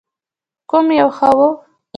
کوم یو ښه و؟